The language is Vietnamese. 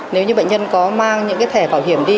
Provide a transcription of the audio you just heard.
nếu như bệnh nhân có mang những cái thẻ bảo hiểm đi